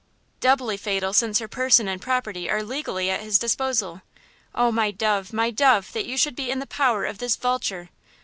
–doubly fatal since her person and property are legally at his disposal. On, my dove! my dove! that you should be in the power of this vulture!